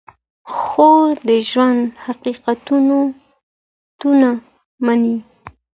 خور د ژوند حقیقتونه مني.